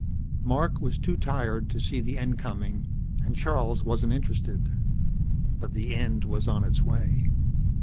Mark was too tired to see the end coming, and Charles wasn't interested. But the end was on its way.